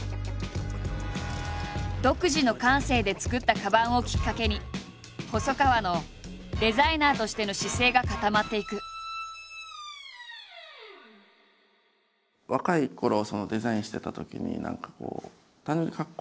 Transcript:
独自の感性で作ったかばんをきっかけに細川のデザイナーとしての姿勢が固まっていく。とかってあるじゃないですか。